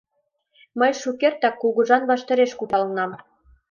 Мый шукертак кугыжан ваштареш кучедалынам!